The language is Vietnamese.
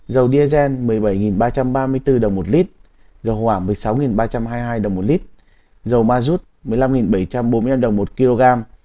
dầu diazen một mươi bảy ba trăm ba mươi bốn đồng một lít dầu hỏa một mươi sáu ba trăm hai mươi hai đồng một lít dầu mazut một mươi năm bảy trăm bốn mươi năm đồng một kg